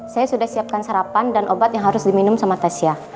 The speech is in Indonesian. saya sudah siapkan sarapan dan obat yang harus diminum sama tesya